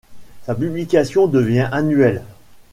Sa publication devient annuelle.